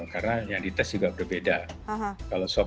karena yang dites juga berbeda